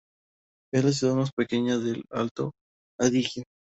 Es la ciudad más pequeña del Alto Adigio.